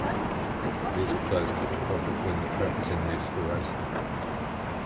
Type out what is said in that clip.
These are closed to the public when the track is in use for racing.